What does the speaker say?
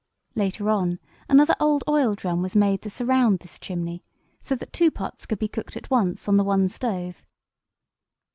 Later on, another old oil drum was made to surround this chimney, so that two pots could be cooked at once on the one stove.